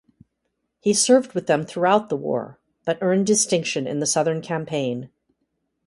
He served with them throughout the war, but earned distinction in the Southern Campaign.